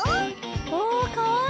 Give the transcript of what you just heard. おおかわいい！